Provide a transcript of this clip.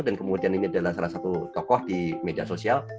dan kemudian ini adalah salah satu tokoh di media sosial